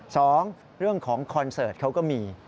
สองเรื่องของคอนเสิร์ตเขาก็มี